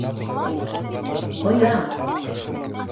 Ҡоям!